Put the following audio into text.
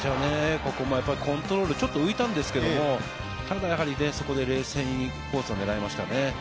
ここもコントロールがちょっと浮いたんですけど冷静にコースを狙いましたね。